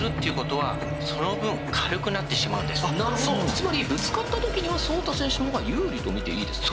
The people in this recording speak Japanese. つまりぶつかった時にはそうた選手の方が有利と見ていいですか？